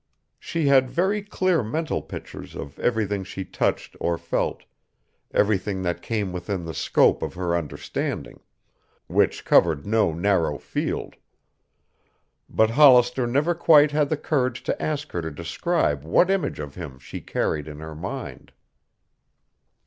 She had very clear mental pictures of everything she touched or felt, everything that came within the scope of her understanding, which covered no narrow field. But Hollister never quite had the courage to ask her to describe what image of him she carried in her mind.